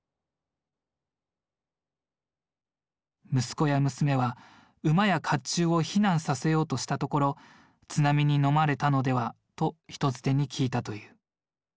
息子や娘は馬や甲冑を避難させようとしたところ津波にのまれたのではと人づてに聞いたという。